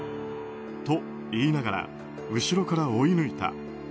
と、言いながら後ろから追い抜いた。